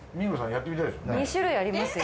２種類ありますよ。